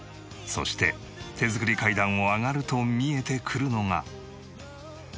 そして手作り階段を上がると見えてくるのが。